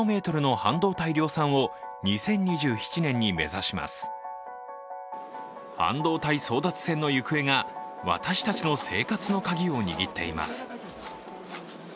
半導体争奪戦の行方が私たちの生活のカギを握っています。